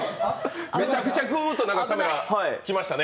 めちゃくちゃグーッと来ましたね。